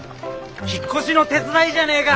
引っ越しの手伝いじゃねえか！